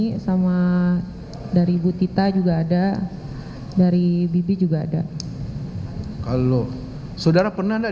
berapa kali karena nyanyi sama dari ibu tita juga ada dari bibi juga ada kalau saudara pernah